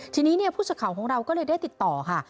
ทีนี้เนี่ยผู้สื่อข่าวของเราก็เลยได้ติดต่อค่ะ